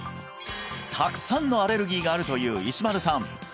たくさんのアレルギーがあるという石丸さん